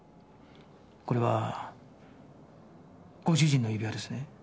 これはご主人の指輪ですね？